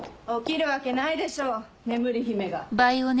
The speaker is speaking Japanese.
起きるわけないでしょ眠り姫が。